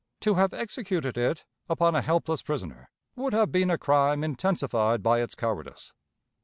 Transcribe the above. To have executed it upon a helpless prisoner, would have been a crime intensified by its cowardice.